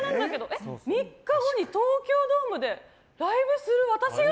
え、３日後に東京ドームでライブする私が？